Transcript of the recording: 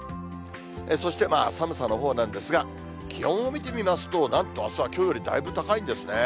そして寒さのほうなんですが、気温を見てみますと、なんとあすはきょうよりだいぶ高いんですね。